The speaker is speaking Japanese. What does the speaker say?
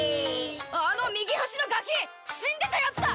あの右端のガキ死んでたやつだ！